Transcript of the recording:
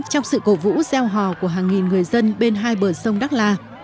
trong sự cổ vũ gieo hò của hàng nghìn người dân bên hai bờ sông đắk la